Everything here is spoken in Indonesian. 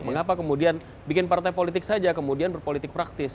mengapa kemudian bikin partai politik saja kemudian berpolitik praktis